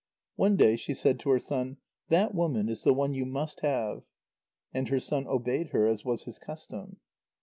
One day she said to her son: "That woman is the one you must have." And her son obeyed her, as was his custom.